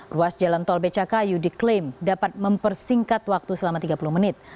ruas jalan tol becakayu diklaim dapat mempersingkat waktu selama tiga puluh menit